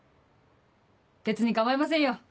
別に構いませんよ。